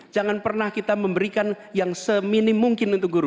jangan pernah kita memberikan yang seminim mungkin untuk guru